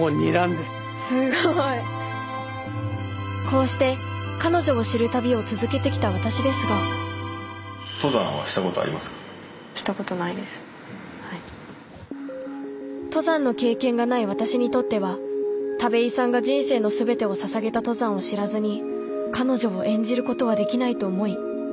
こうして彼女を知る旅を続けてきた私ですが登山の経験がない私にとっては田部井さんが人生の全てをささげた登山を知らずに彼女を演じることはできないと思い